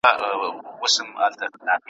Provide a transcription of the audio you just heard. نور مي د سبا سبا پلمو زړه سولولی دی `